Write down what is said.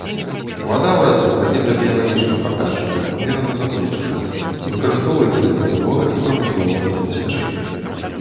Вада ў рацэ па гідрабіялагічных паказчыках умерана забруджаная, выкарыстоўваецца для бытавога і прамысловага забеспячэння.